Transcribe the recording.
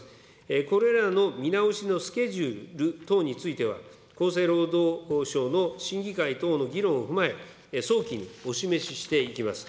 これらの見直しのスケジュール等については、厚生労働省の審議会等の議論を踏まえ、早期にお示ししていきます。